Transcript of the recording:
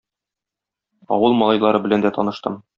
Авыл малайлары белән дә таныштым.